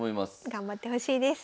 頑張ってほしいです。